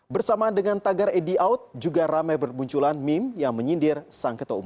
bersamaan dengan tagar edi out juga ramai bermunculan meme yang menyindir sang ketua umum